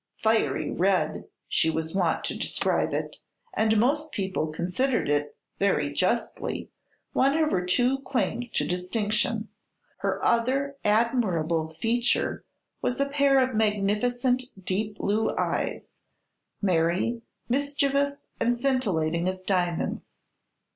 "Fiery red" she was wont to describe it, and most people considered it, very justly, one of her two claims to distinction. Her other admirable feature was a pair of magnificent deep blue eyes merry, mischievous and scintillating as diamonds.